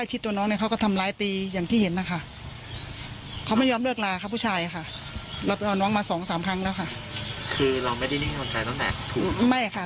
ซึ่งเรารับไม่ได้จริงข้อคบกันนั้นเราก็ไม่ทราบ